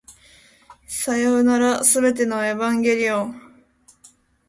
さようなら、全てのエヴァンゲリオン